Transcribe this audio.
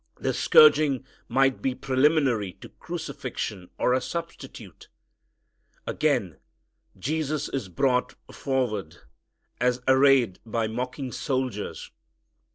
The scourging might be preliminary to crucifixion or a substitute. Again Jesus is brought forward, as arrayed by the mocking soldiers.